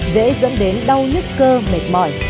dễ dẫn đến đau nhất cơ mệt mỏi